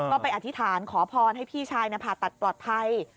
ก็ไปอธิษฐานขอพรให้พี่ชายผ่าตัดปลอดภัย